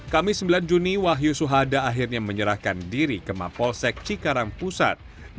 kamis sembilan juni wahyu suhada akhirnya menyerahkan diri ke mapolsek cikarang pusat